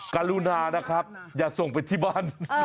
การูนาอย่าส่งไปที่บ้าน